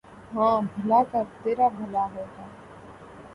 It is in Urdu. ہاں بھلا کر ترا بھلا ہوگا